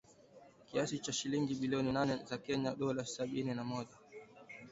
Kiasi cha shilingi bilioni nane za Kenya Dola Sabini na moja